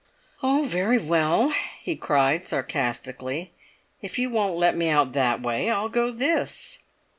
"Oh, very well!" he cried, sarcastically. "If you won't let me out that way, I'll go this!"